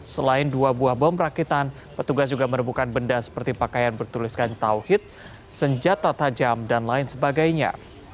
selain dua buah bom rakitan petugas juga merebukan benda seperti pakaian bertuliskan tauhid senjata tajam dan lain sebagainya